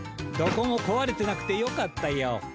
どこもこわれてなくてよかったよ。